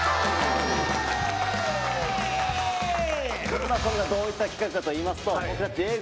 これがどういった企画かといいますと僕たちＡぇ！